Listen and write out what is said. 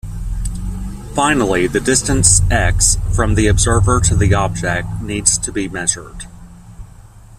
Finally the distance x from the observer to the object needs to be measured.